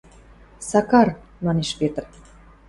— Сакар, — манеш Петр.